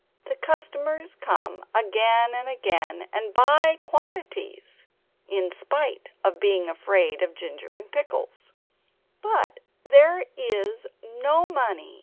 The customers come again and again, and buy quantities, in spite of being afraid of Ginger and Pickles.